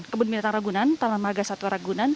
kebun militan ragunan taman margasatwa ragunan